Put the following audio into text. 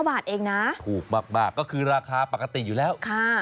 บาทเองนะถูกมากก็คือราคาปกติอยู่แล้ว